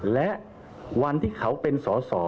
และวันที่เขาเป็นสอสอ